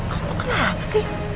alhamdulillah kenapa sih